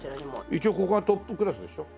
一応ここがトップクラスでしょ？